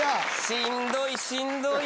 しんどいしんどい！